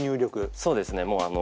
そうですね。